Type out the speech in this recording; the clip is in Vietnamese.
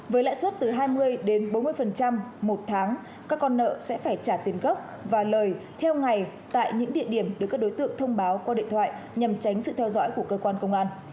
với lãi suất từ hai mươi đến bốn mươi một tháng các con nợ sẽ phải trả tiền gốc và lời theo ngày tại những địa điểm được các đối tượng thông báo qua điện thoại nhằm tránh sự theo dõi của cơ quan công an